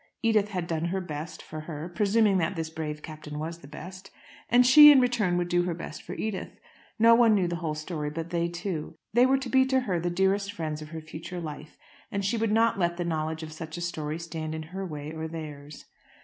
Edith had done her best for her (presuming that this brave Captain was the best) and she in return would do her best for Edith. No one knew the whole story but they two. They were to be to her the dearest friends of her future life, and she would not let the knowledge of such a story stand in her way or theirs.